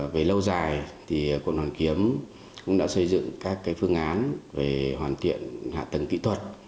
về lâu dài thì cộng đồng kiếm cũng đã xây dựng các phương án về hoàn thiện hạ tầng kỹ thuật